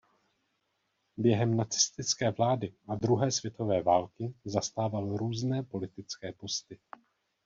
Během nacistické vlády a druhé světové války zastával různé politické posty.